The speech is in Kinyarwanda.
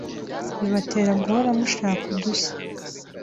Bibatera guhora mushaka udushya,